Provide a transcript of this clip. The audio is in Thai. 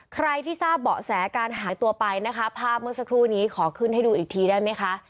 ใครที่ทราบเบาะแสการหายตัวไปนะคะภาพเมื่อสักครู่นี้ขอขึ้นให้ดูอีกทีได้ไหมคะ